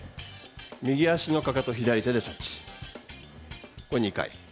右足のかかとを左手でタッチ２回。